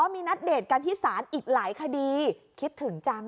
มีนัดเดทกันที่ศาลอีกหลายคดีคิดถึงจัง